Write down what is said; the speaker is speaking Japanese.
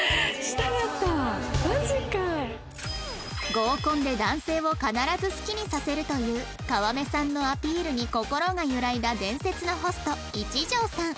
合コンで男性を必ず好きにさせるという川目さんのアピールに心が揺らいだ伝説のホスト一条さん